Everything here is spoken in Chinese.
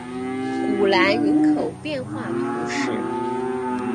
古兰人口变化图示